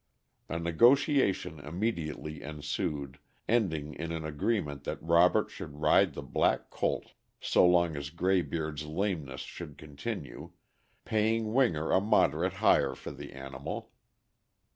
A negotiation immediately ensued, ending in an agreement that Robert should ride the black colt so long as Graybeard's lameness should continue, paying Winger a moderate hire for the animal.